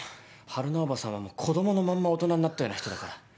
春菜叔母さんは子供のまんま大人になったような人だから。